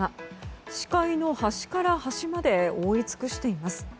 視界の端から端まで覆い尽くしています。